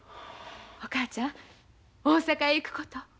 お母ちゃん大阪へ行くこと？